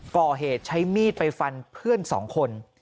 ก่อเหตุใช้มีดไปฟันเพื่อนสองคน